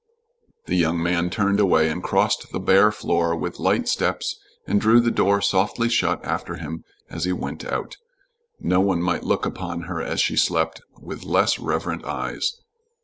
The young man turned away and crossed the bare floor with light steps and drew the door softly shut after him as he went out. No one might look upon her as she slept, with less reverent eyes.